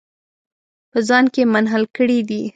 په ځان کې یې منحل کړي دي.